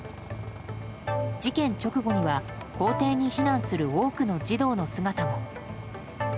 事件直後には、校庭に避難する多くの児童の姿も。